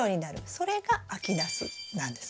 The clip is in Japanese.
それが秋ナスなんです。